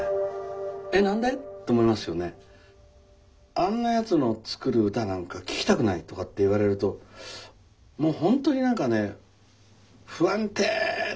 あんなやつの作る歌なんか聞きたくないとかって言われるともう本当になんかね